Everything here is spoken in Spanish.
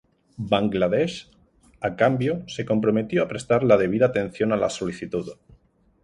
Bangladesh, a cambio, se comprometió a prestar la debida atención a la solicitud.